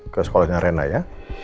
ke sekolah dengan reina ya